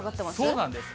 そうなんです。